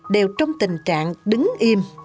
đều trong tình trạng đứng im